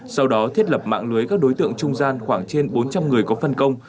sau đó thiết lập mạng lưới các đối tượng trung gian khoảng trên bốn trăm linh người có phân công